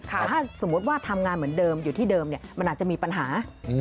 แต่ถ้าสมมุติว่าทำงานเหมือนเดิมอยู่ที่เดิมมันอาจจะมีปัญหา